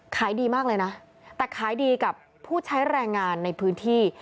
ขายดีมากเลยนะแต่ขายดีกับผู้ใช้แรงงานในพื้นที่